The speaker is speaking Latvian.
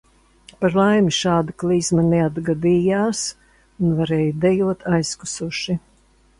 Par laimi šāda klizma neatgadījās un varēja dejot aizkusuši.